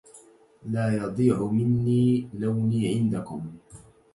لا يضع مني لوني عندكم